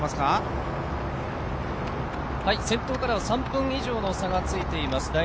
先頭からは３分以上の差がついています。